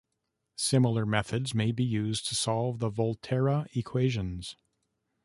Similar methods may be used to solve the Volterra equations.